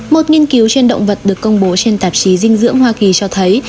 một nghiên cứu trên động vật được công bố trên tạp chí dinh dưỡng hoa kỳ cho thấy